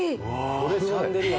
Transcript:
これシャンデリア？